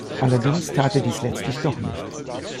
Allerdings tat er dies letztlich doch nicht.